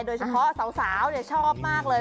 โดยเฉพาะสาวชอบมากเลย